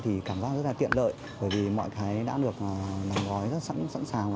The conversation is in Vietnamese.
thì cảm giác rất là tiện lợi bởi vì mọi cái đã được đóng gói rất sẵn sàng